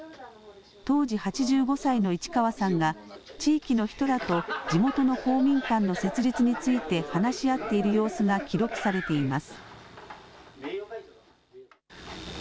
当時８５歳の市川さんが地域の人らと地元の公民館の設立について話し合っている様子が記録されています。